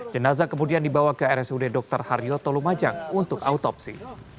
jenazah kemudian dibawa ke rsud dr haryoto lumajang untuk autopsi